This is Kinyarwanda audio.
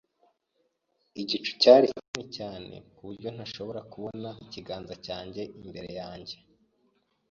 Igicu cyari kinini cyane ku buryo ntashobora kubona ikiganza cyanjye imbere yanjye.